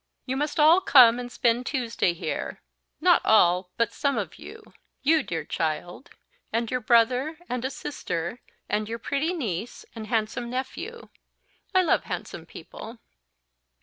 You must all come and spend Tuesday here not all, but some of you you, dear child, and your brother, and a sister, and your pretty niece, and handsome nephew I love handsome people.